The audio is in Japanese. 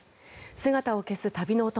姿を消す旅のお供。